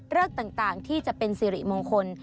ต่างที่จะเป็นสิริมงคล